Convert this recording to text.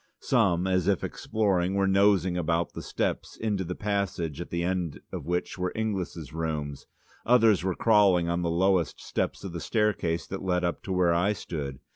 Some, as if exploring, were nosing about the steps into the passage at the end of which were Inglis' rooms, others were crawling on the lowest steps of the staircase that led up to where I stood.